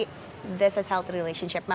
ini adalah hubungan yang berbahaya